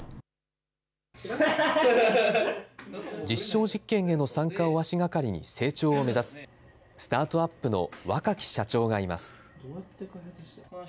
実証実験への参加を足がかりに成長を目指す、スタートアップの若き社長がいます。